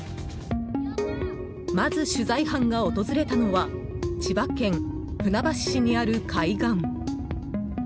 まず取材班が訪れたのは千葉県船橋市にある海岸。